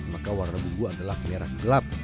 maka warna bumbu adalah merah gelap